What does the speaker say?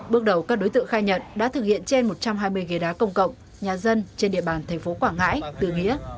bước đầu các đối tượng khai nhận đã thực hiện trên một trăm hai mươi ghế đá công cộng nhà dân trên địa bàn tp quảng ngãi từ nghĩa